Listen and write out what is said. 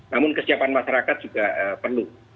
namun kesiapan masyarakat juga perlu